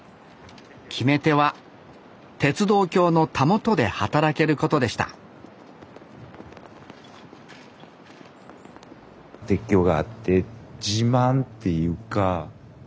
決め手は鉄道橋のたもとで働けることでした鉄橋があって自慢っていうか